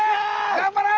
頑張れ！